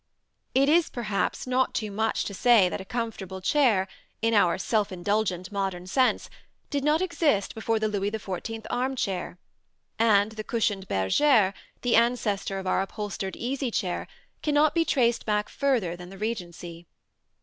It is perhaps not too much to say that a comfortable chair, in our self indulgent modern sense, did not exist before the Louis XIV arm chair (see Plate IV); and the cushioned bergère, the ancestor of our upholstered easy chair, cannot be traced back further than the Regency.